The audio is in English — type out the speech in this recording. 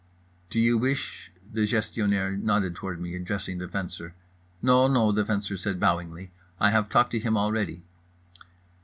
"Do you wish?"—the Gestionnaire nodded toward me, addressing the Fencer. "No, no" the Fencer said bowingly. "I have talked to him already."